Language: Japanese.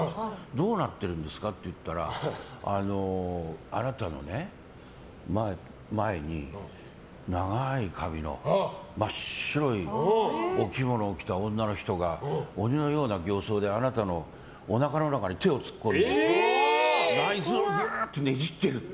どうなってるんですかって言ったらあなたの前に長い髪の真っ白いお着物を着た女の人が鬼のような形相であなたのおなかの中に手を突っ込んで内臓をグーッとねじってると。